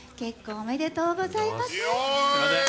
おめでとうございます。